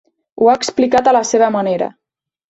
Ho ha explicat a la seva manera.